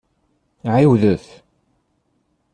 Ɛiwdet!